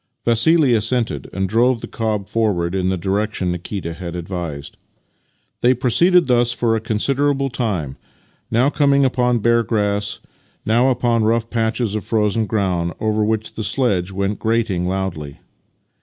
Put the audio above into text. Vassili assented, and drove the cob forward in the direction Nikita had advised. They proceeded thus for a considerable time, now coming upon bare grass, now upon rough patches of frozen ground, over which the sledge went grating loudly.